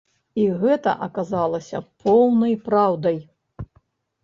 І гэта аказалася поўнай праўдай.